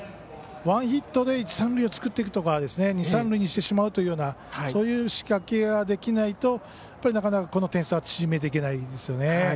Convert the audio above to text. ワンヒットで一、三塁を作っていくとか二、三塁にしてしまうというようなそういう仕掛けができないと、なかなかこの点差は縮めていけないです。